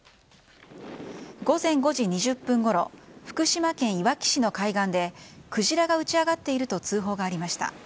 午前５時２０分ごろ福島県いわき市の海岸でクジラが打ち揚がっていると通報がありました。